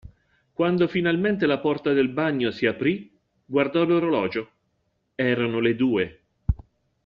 Quando finalmente la porta del bagno si aprì, guardò l'orologio: erano le due.